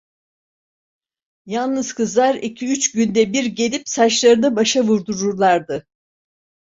Yalnız kızlar iki üç günde bir gelip saçlarına maşa vurdururlardı.